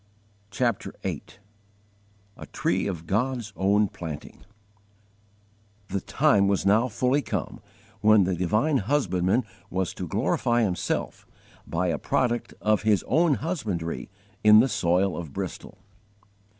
CHAPTER VIII A TREE OF GOD'S OWN PLANTING THE time was now fully come when the divine Husbandman was to glorify Himself by a product of His own husbandry in the soil of Bristol.